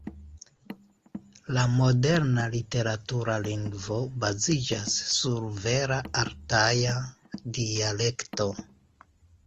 La moderna literatura lingvo baziĝas sur vera altaja dialekto.